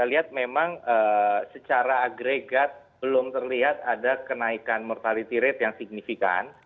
kita lihat memang secara agregat belum terlihat ada kenaikan mortality rate yang signifikan